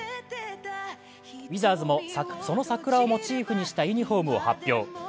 ウィザーズもその桜をモチーフにしたユニフォームを発表。